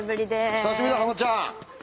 久しぶりだハマちゃん。